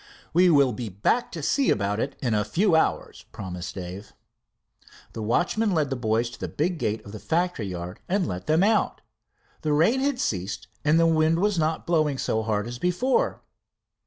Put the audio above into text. "We will be back to see about it in a few hours," promised Dave. The watchman led the boys to the big gate of' the factory yard and let them out. The rain had ceased and the wind was not blowing so hard as before.